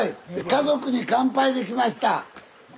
「家族に乾杯」で来ました。